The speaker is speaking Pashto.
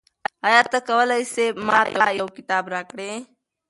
آیا ته کولای سې ما ته یو کتاب راکړې؟